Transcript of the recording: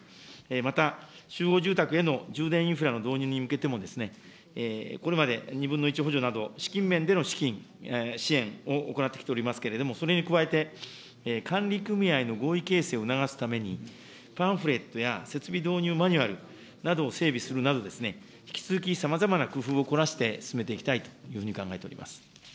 また、集合住宅への充電インフラの導入に向けても、これまで２分の１補助など、資金面での資金、支援を行ってきておりますけれども、それに加えて、管理組合の合意形成を促すために、パンフレットや設備導入マニュアルなどを整備するなど、引き続きさまざまな工夫をこらして進めていきたいというふうに考